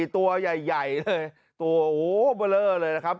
๔ตัวใหญ่เลยตัวโอ้โฮเบลอเลยนะครับ